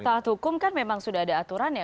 taat hukum kan memang sudah ada aturan ya